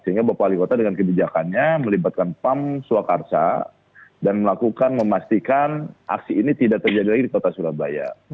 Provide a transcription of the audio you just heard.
sehingga bapak wali kota dengan kebijakannya melibatkan pam swakarsa dan melakukan memastikan aksi ini tidak terjadi lagi di kota surabaya